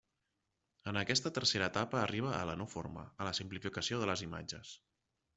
En aquesta tercera etapa arriba a la no–forma, a la simplificació de les imatges.